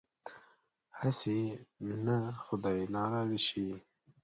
هسې نه خدای ناراضه شي.